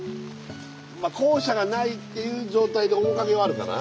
校舎がないっていう状態で面影はあるかな？